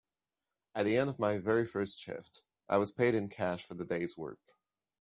At the end of my very first shift, I was paid in cash for the day’s work.